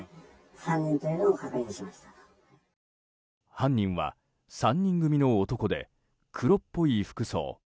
犯人は３人組の男で黒っぽい服装。